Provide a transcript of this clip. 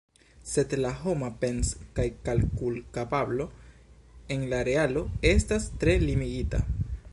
Sed la homa pens- kaj kalkulkapablo en la realo estas tre limigita.